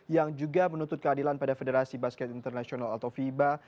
yang juga menuntut keadilan pada federasi basket internasional atau fiba